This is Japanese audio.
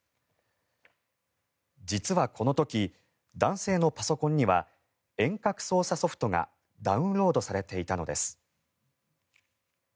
実はこの時、男性のパソコンには遠隔操作ソフトがダウンロードされていたのです。